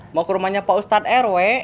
mau ke rumahnya pak ustadz rw